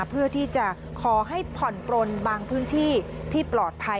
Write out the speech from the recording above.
เพื่อที่จะขอให้ผ่อนปลนบางพื้นที่ที่ปลอดภัย